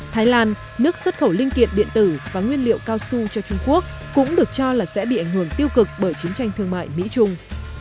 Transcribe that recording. thái lan nước xuất khẩu linh kiện điện tử và nguyên liệu cao su cho trung quốc cũng được cho là sẽ bị ảnh hưởng tiêu cực bởi chiến tranh thương mại mỹ trung